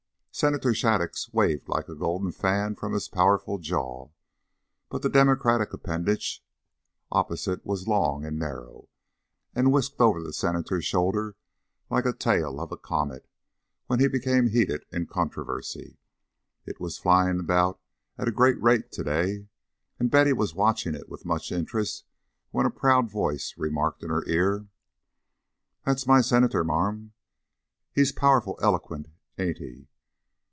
Senator Shattuc's waved like a golden fan from his powerful jaw; but the Democratic appendage opposite was long and narrow, and whisked over the Senator's shoulder like the tail of a comet, when he became heated in controversy. It was flying about at a great rate to day, and Betty was watching it with much interest, when a proud voice remarked in her ear, "That's my Senator, marm. He's powerful eloquent, ain't he?"